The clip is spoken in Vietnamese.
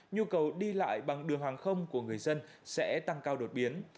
nhu cầu đi lại bằng đường hàng không của người dân sẽ tăng cao đột biến